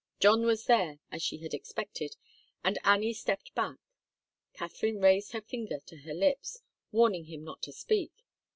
John was there, as she had expected, and Annie stepped back. Katharine raised her finger to her lips, warning him not to speak.